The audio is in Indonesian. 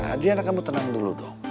adriana kamu tenang dulu dong